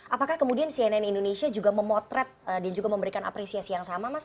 apakah kemudian cnn indonesia juga memotret dan juga memberikan apresiasi yang sama mas